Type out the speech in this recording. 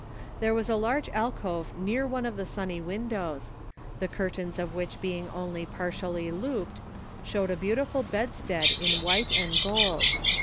There was a large alcove near one of the sunny windows, the curtains of which being only partially looped, showed a beautiful bedstead in white and gold.